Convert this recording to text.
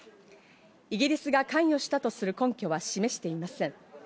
イギリスが関与したとする根拠は示していません。